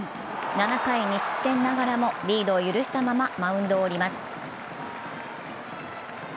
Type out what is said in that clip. ７回２失点ながらもリードを許したままマウンドを降ります。